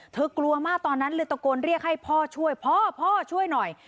กลัวมากตอนนั้นเลยตะโกนเรียกให้พ่อช่วยพ่อพ่อช่วยหน่อย